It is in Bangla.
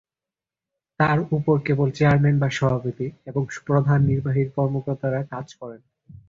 তার উপরে কেবল চেয়ারম্যান বা সভাপতি এবং প্রধান নির্বাহী কর্মকর্তা কাজ করেন।